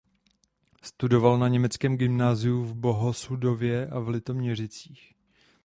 Studoval na německém gymnáziu v Bohosudově a v Litoměřicích.